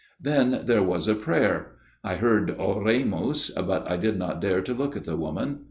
" Then there was a prayer. I heard Or emus, but I did not dare to look at the woman.